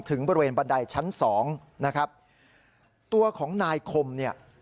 ถึงบริเวณบันไดชั้นสองนะครับตัวของนายคมเนี่ย